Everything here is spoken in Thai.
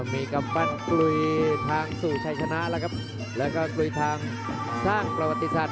มีกัมปั่นกลุ่ยทางสู่ชายชนะแล้วก็กลุ่ยทางสร้างประวัติศาสตร์